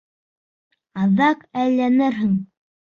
Аҙаҡ әйләнерһең.